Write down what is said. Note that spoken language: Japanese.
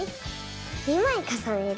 ２まいかさねる。